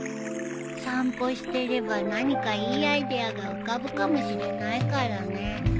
散歩してれば何かいいアイデアが浮かぶかもしれないからね。